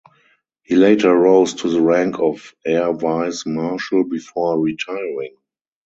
He later rose to the rank of Air Vice Marshal before retiring.